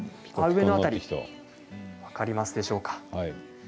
上の辺り、分かりますでしょうか。